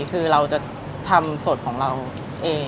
คือเราจะทำสดของเราเอง